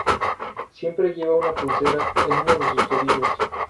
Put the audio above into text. Siempre lleva una pulsera en uno de sus tobillos.